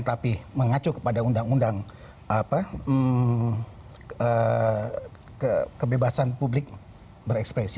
tapi mengacu kepada undang undang kebebasan publik berekspresi